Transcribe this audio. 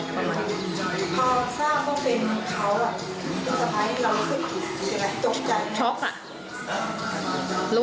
เขาก็ชอคไปพักไม่ใช่หรือ